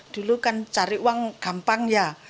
dulu kan cari uang gampang ya